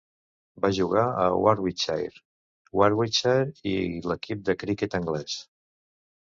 Va jugar a Warwickshire, Worcestershire i l'equip de criquet anglès.